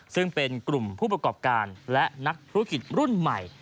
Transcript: ซึ่งเป็นกลุ่มผู้ประกอบการและนักธุรกิจรุ่นใหม่